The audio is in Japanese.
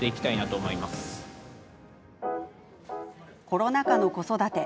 コロナ禍の子育て。